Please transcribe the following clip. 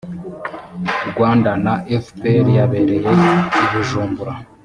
rwanda na fpr yabereye i bujumbura